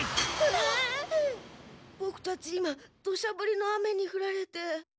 ボクたち今どしゃぶりの雨にふられて。